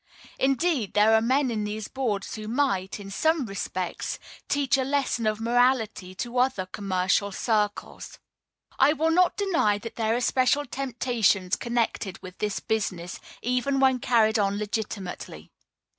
Indeed, there are men in these boards who might, in some respects, teach a lesson of morality to other commercial circles. I will not deny that there are special temptations connected with this business even when carried on legitimately.